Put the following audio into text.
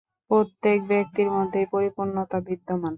প্রত্যেক ব্যক্তির মধ্যেই পরিপূর্ণতা বিদ্যমান।